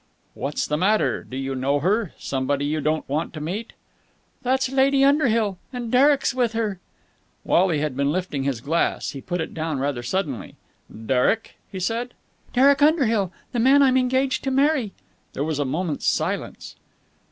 "What's the matter? Do you know her? Somebody you don't want to meet?" "It's Lady Underhill! And Derek's with her!" Wally had been lifting his glass. He put it down rather suddenly. "Derek?" he said. "Derek Underhill. The man I'm engaged to marry." There was a moment's silence.